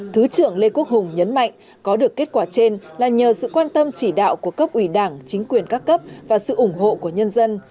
thứ trưởng lê quốc hùng nhấn mạnh có được kết quả trên là nhờ sự quan tâm chỉ đạo của cấp ủy đảng chính quyền các cấp và sự ủng hộ của nhân dân